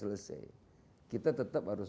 selesai kita tetap harus